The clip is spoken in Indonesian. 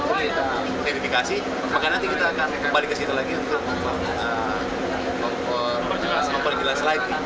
maka nanti kita akan kembali ke situ lagi untuk menggunakan light